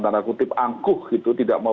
tanda kutip angkuh gitu tidak mau